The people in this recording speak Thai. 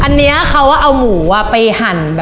อันนี้เขาเอาหมูไปหั่น